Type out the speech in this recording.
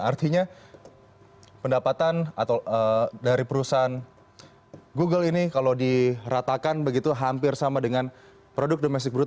artinya pendapatan dari perusahaan google ini kalau diratakan begitu hampir sama dengan produk domestic brut